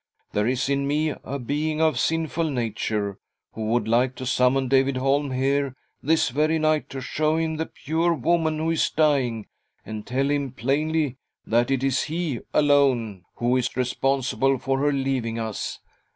There is in me a being of sinful nature, who would like to summon David Holm here, this very night, to show him the pure ■ woman who is dying, and tell him plainly that it is he alone who is responsible for her leaving us.